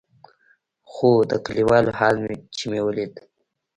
خو د کليوالو حال چې مې وليد.